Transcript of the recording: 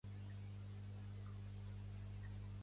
I el franquisme va passar a ser directament capitalisme pur i dur